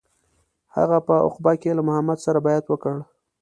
هغه په عقبه کې له محمد سره بیعت وکړ.